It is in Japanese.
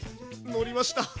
のりました！